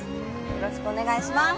よろしくお願いします